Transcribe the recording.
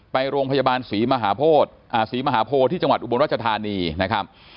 ไปโรงพยาบาลศรีมหาโพธิศรีมหาโพที่จังหวัดอุบลรัชธานีนะครับ